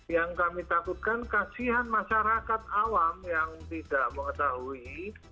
yang kami takutkan kasihan masyarakat awam yang tidak mengetahui